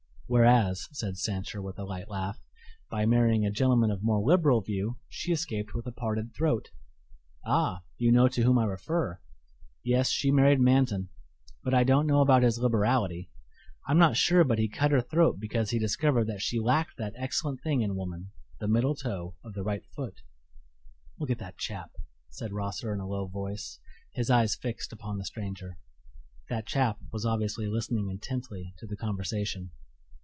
"Whereas," said Sancher, with a light laugh, "by marrying a gentleman of more liberal view she escaped with a parted throat." "Ah, you know to whom I refer. Yes, she married Manton, but I don't know about his liberality; I'm not sure but he cut her throat because he discovered that she lacked that excellent thing in woman, the middle toe of the right foot." "Look at that chap!" said Rosser in a low voice, his eyes fixed upon the stranger. That chap was obviously listening intently to the conversation.